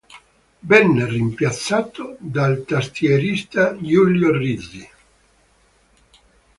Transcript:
Venne rimpiazzato dal tastierista Giulio Risi.